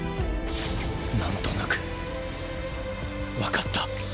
なんとなく分かった。